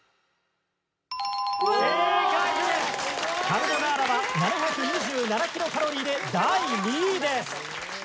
カルボナーラは７２７キロカロリーで第２位です。